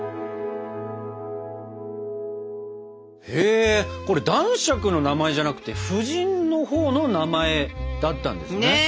へえこれ男爵の名前じゃなくて夫人のほうの名前だったんですね。ね